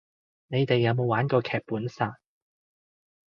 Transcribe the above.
你哋有冇玩過劇本殺